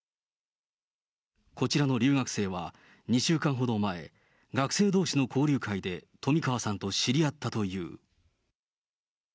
こちらの留学生は、２週間ほど前、学生どうしの交流会で、冨川さんと知り合ったという。